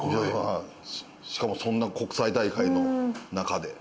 しかもそんな国際大会の中で。